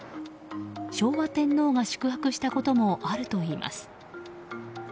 昭和天皇が宿泊したこともあるといいます。